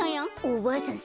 おばあさん